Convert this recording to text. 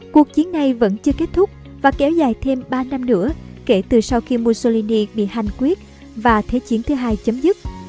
cuộc chiến này vẫn chưa kết thúc và kéo dài thêm ba năm nữa kể từ sau khi mussolini bị hành quyết và thế chiến thứ hai chấm dứt